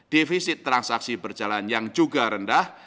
defisit transaksi berjalan yang juga rendah